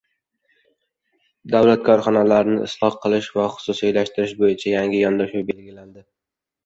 Davlat korxonalarini isloh qilish va xususiylashtirish bo‘yicha yangi yondashuvlar belgilandi